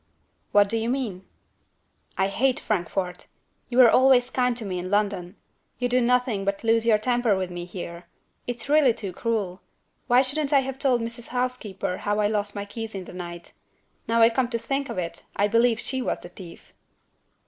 "What do you mean?" "I hate Frankfort. You were always kind to me in London. You do nothing but lose your temper with me here. It's really too cruel. Why shouldn't I have told Mrs. Housekeeper how I lost my keys in the night? Now I come to think of it, I believe she was the thief."